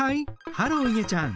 ハローいげちゃん。